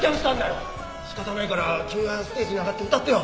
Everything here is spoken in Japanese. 仕方ないから君がステージに上がって歌ってよ。